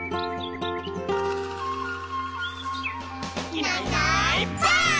「いないいないばあっ！」